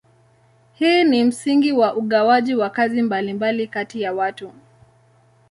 Hii ni msingi wa ugawaji wa kazi mbalimbali kati ya watu.